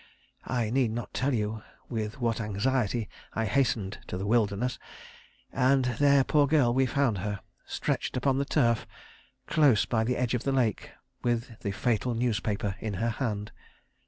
I need not tell you with what anxiety I hastened to the Wilderness, and there, poor girl, we found her, stretched upon the turf close by the edge of the lake, with the fatal newspaper in her hand.